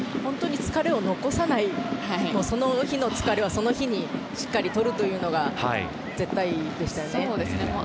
疲れを残さない、その日の疲れはその日のうちにしっかり取るというのが絶対でしたね。